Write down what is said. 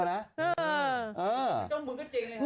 เจ้ามือก็จริงนะครับ